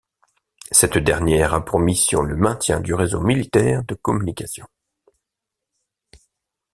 Cette dernière a pour mission le maintien du réseau militaire de communications.